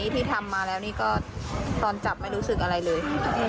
ที่ทำมาแล้วนี่ก็ตอนจับไม่รู้สึกอะไรเลย